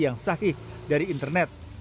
yang sahih dari internet